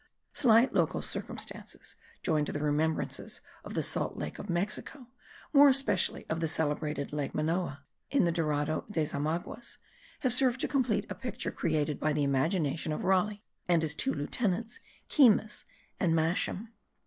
Slight local circumstances, joined to the remembrances of the salt lake of Mexico, more especially of the celebrated lake Manoa in the Dorado des Omaguas, have served to complete a picture created by the imagination of Raleigh and his two lieutenants, Keymis and Masham.